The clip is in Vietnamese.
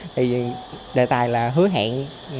thì đề tài là hứa hẹn